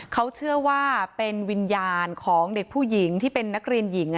เขาเชื่อว่าเป็นวิญญาณของเด็กผู้หญิงที่เป็นนักเรียนหญิง